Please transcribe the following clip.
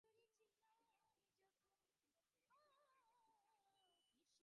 আমি যে মৌরসি স্বত্ব পঞ্চুর কাছ থেকে কিনেছি সেইটে কাঁচিয়ে দেবার এই ফন্দি।